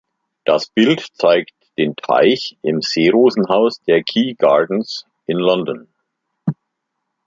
Das Bild zeigt den Teich im Seerosen-Haus der Kew Gardens in London.